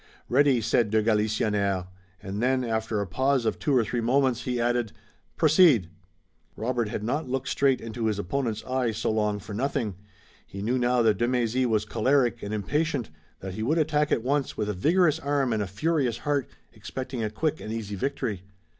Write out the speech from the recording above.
"Ready!" said de Galisonnière, and then, after a pause of two or three moments, he added: "Proceed!" Robert had not looked straight into his opponent's eye so long for nothing. He knew now that de Mézy was choleric and impatient, that he would attack at once with a vigorous arm and a furious heart, expecting a quick and easy victory.